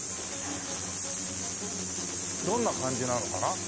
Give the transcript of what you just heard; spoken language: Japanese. どんな感じなのかな？